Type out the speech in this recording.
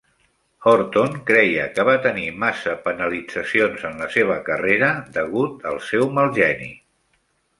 Horton creia que va tenir massa penalitzacions en la seva carrera degut al seu "mal geni".